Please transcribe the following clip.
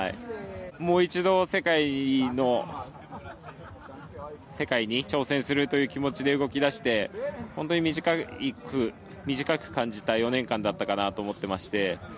もう一度、世界に挑戦するという気持ちで動き出して、短く感じた４年間だったかなと思ってまして。